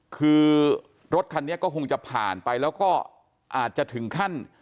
คือรถคันนี้ก็คงจะผ่านไปแล้วก็อาจจะถึงขั้น